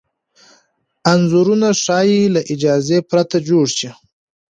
انځورونه ښايي له اجازې پرته جوړ شي.